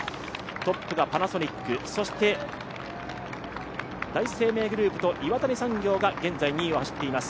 トップがパナソニック、そして第一生命グループと岩谷産業が現在２位を走っています。